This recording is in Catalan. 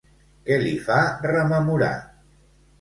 Què li fa rememorar?